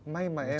may mắn stuff đó